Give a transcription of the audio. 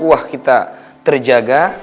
pukuah kita terjaga